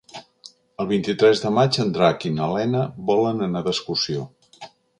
El vint-i-tres de maig en Drac i na Lena volen anar d'excursió.